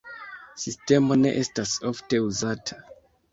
Sistemo ne estas ofte uzata.